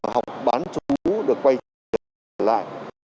học bán chú được quay trở lại